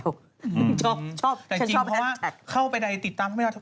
ชอบชอบชอบแฮชแท็กแต่จริงเพราะว่าเข้าไปใดติดตามเขาไม่ได้